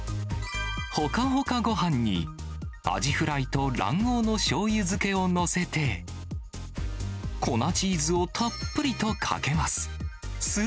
ほかほかごはんに、アジフライと卵黄のしょうゆ漬けを載せて、粉チーズをたっぷりとかけます。